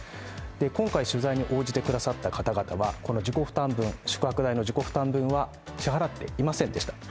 今回取材に応じてくださった方々は、宿泊代の自己負担分は支払っていませんでした。